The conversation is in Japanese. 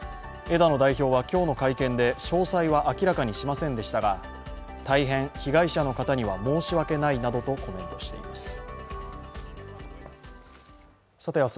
枝野代表は今日の会見で詳細は明らかにしませんでしたが大変、被害者の方には申し訳ないなどとコメントしています。